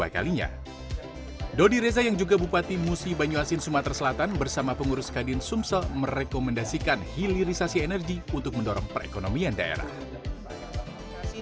kita rekomendasikan hilirisasi energi untuk mendorong perekonomian daerah